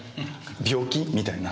病気みたいな。